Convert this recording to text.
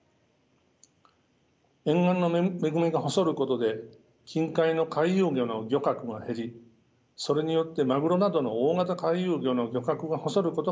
沿岸の恵みが細ることで近海の回遊魚の漁獲が減りそれによってマグロなどの大型回遊魚の漁獲が細ることが心配されます。